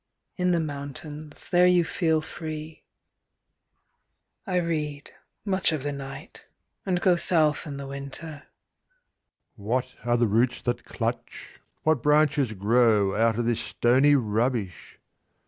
In the mountains, there you feel free. I read, much of the night, and go south in the winter. What are the roots that clutch, what branches grow Out of this stony rubbish?